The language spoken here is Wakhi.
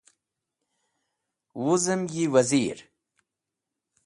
Wuzem yi Wazir.